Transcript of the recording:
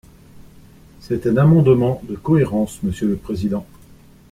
C’est un amendement de cohérence, monsieur le président.